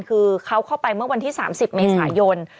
คือเขาเข้าไปเมื่อวันที่๓๐เมษายน